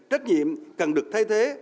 trách nhiệm cần được thay thế